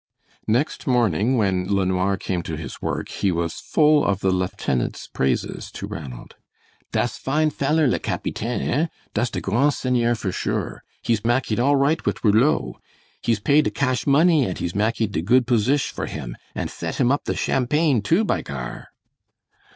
Next morning when LeNoir came to his work he was full of the lieutenant's praises to Ranald. "Das fine feller le Capitaine, eh? Das de Grand Seigneur for sure! He's mak eet all right wit Rouleau! He's pay de cash money and he's mak eet de good posish for him, an' set him up the champagne, too, by gar!"